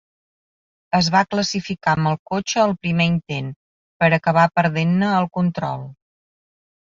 Es va classificar amb el cotxe al primer intent, per acabar perdent-ne el control.